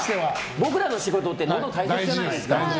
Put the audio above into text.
僕らの仕事ってのどが大切じゃないですか。